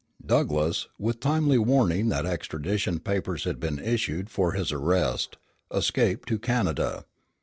Douglass, with timely warning that extradition papers had been issued for his arrest, escaped to Canada.